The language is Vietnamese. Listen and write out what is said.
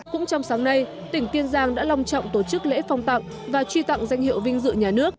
cũng trong sáng nay tỉnh kiên giang đã long trọng tổ chức lễ phong tặng và truy tặng danh hiệu vinh dự nhà nước